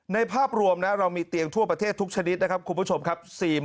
ในภาพรวมเรามีเตียงทั่วประเทศทุกชนิดนะครับ